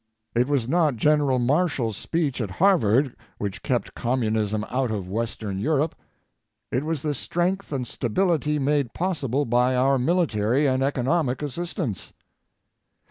It was not General Marshall's speech at Harvard which kept communism out of Western Europe ŌĆō it was the strength and stability made possible by our military and economic assistance.